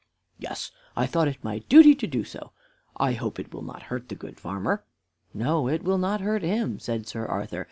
"Yes, I thought it my duty to do so. I hope it will not hurt the good farmer." "No, it will not hurt him," said Sir Arthur.